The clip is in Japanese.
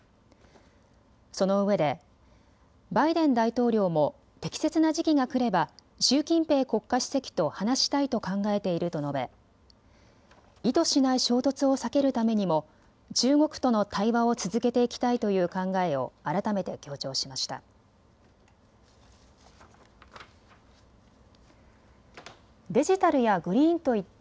そのうえでバイデン大統領も適切な時期がくれば習近平国家主席と話したいと考えていると述べ意図しない衝突を避けるためにも中国との対話を続けていきたいという考えを改めて強調しました。